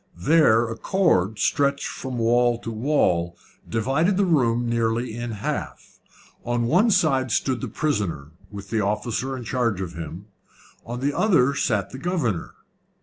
There a cord, stretched from wall to wall, divided the room nearly in half. On one side stood the prisoner, with the officer in charge of him; on the other sat the governor.